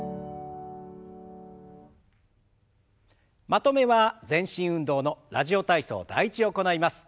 まとめは全身運動の「ラジオ体操第１」を行います。